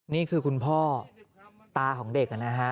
นี่คือคุณพ่อตาของเด็กนะฮะ